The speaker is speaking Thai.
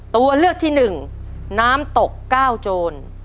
ตัวเลือกที่หนึ่งน้ำตกเก้าโจร